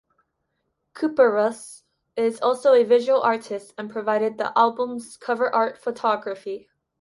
Kuperus is also a visual artist and provided the album's cover art photography.